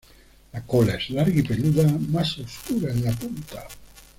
La cola es larga y peluda, más oscura en la punta.